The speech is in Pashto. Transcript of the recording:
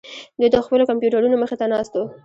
دوی د خپلو کمپیوټرونو مخې ته ناست وو